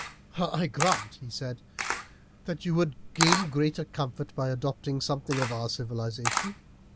"I grant," he said, "that you would gain greater comfort by adopting something of our civilization.